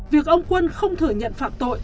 việc ông quân không thừa nhận phạm tội